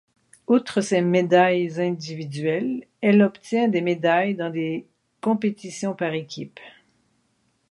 Outre ses médailes individuelles, elle obtient des médailles dans des compétitions par équipes.